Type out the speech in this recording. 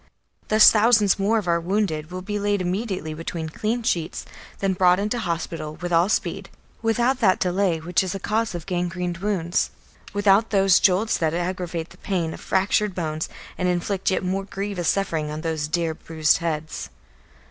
Thus thousands more of our wounded will be laid immediately between clean sheets, then brought into hospital with all speed, without that delay which is a cause of gangrened wounds, without those jolts that aggravate the pain of fractured bones and inflict yet more grievous suffering on those dear bruised heads.